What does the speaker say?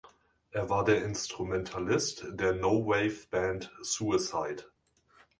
Er war der Instrumentalist der No-Wave-Band Suicide.